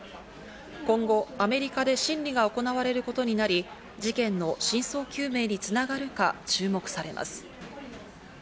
今後アメリカで審理が行われることになり事件の真相究明に繋がるか注目されます。